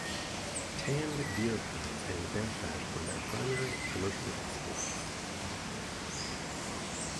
Tanned deer hides and bear fat were their primary commercial exports.